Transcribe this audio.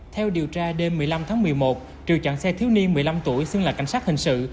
theo điều tra đêm một mươi năm tháng một mươi một triều chặn xe thiếu niên một mươi năm tuổi xưng là cảnh sát hình sự